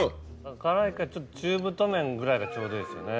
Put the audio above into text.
辛いから中太麺ぐらいがちょうどいいですよね。